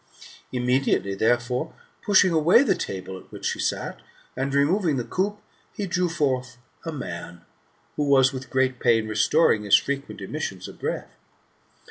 Immediately, therefore, pushing away the table at which he sat, and removing the coop, he drew forth a man, who was with great pain restoring his frequent emissions of breath.